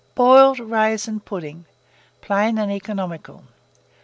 BOILED RAISIN PUDDING. (Plain and Economical.)